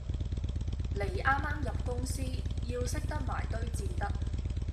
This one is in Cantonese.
你啱啱入公司，要識得埋堆至得